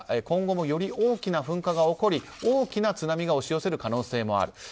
今後もより大きな噴火が起こり大きな津波が押し寄せる可能性もある。